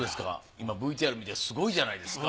今ＶＴＲ見てすごいじゃないですか。